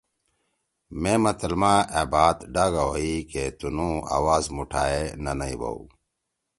مے متل ما أ بات ڈاگہ ہوئی کہ تنُو آواز مُوٹھائے نہ نئی بھؤ۔